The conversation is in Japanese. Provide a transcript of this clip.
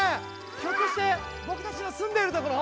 ひょっとしてぼくたちのすんでるところ？